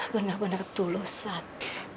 benar benar tulus saat